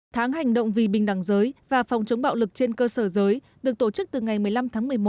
tháng hành động vì bình đẳng giới và phòng chống bạo lực trên cơ sở giới được tổ chức từ ngày một mươi năm tháng một mươi một